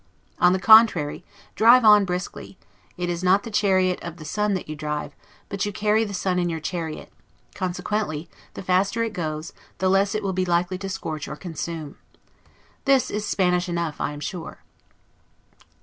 On the contrary, drive on briskly; it is not the chariot of the sun that you drive, but you carry the sun in your chariot; consequently, the faster it goes, the less it will be likely to scorch or consume. This is Spanish enough, I am sure.